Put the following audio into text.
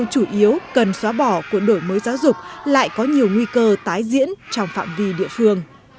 chủ yếu cần xóa bỏ của đổi mới giáo dục lại có nhiều nguy cơ tái diễn trong phạm vi địa phương